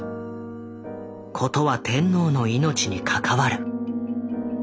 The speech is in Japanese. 事は天皇の命に関わる。